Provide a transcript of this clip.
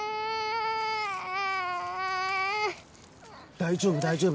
大丈夫大丈夫。